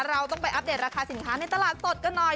เราต้องไปอัปเดตราคาสินค้าในตลาดสดกันหน่อย